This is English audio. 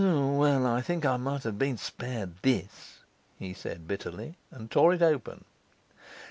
'Well, I think I might have been spared this,' he said bitterly, and tore it open.